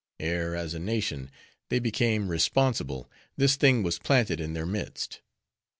Ere, as a nation, they became responsible, this thing was planted in their midst.